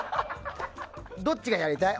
どっちがやりたい？